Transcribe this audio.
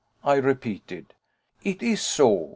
I repeated. "It is so.